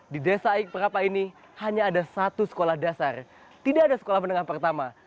di desa aik prapa ini hanya ada satu sekolah dasar tidak ada sekolah menengah pertama